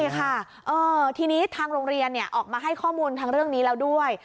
ใช่ค่ะทีนี้ทางโรงเรียนออกมาให้ข้อมูลทางเรื่องนี้แล้วด้วย